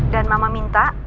dan mama minta